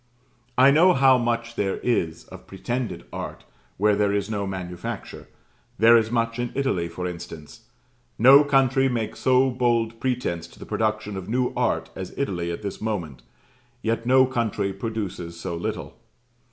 I know how much there is of pretended art where there is no manufacture: there is much in Italy, for instance; no country makes so bold pretence to the production of new art as Italy at this moment; yet no country produces so little.